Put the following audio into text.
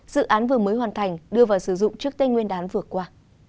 dự án vừa mới hoàn thành đưa vào sử dụng trước tên nguyên đán vừa qua